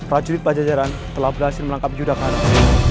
raja judit bajajaran telah berhasil melangkah ladang judah khanat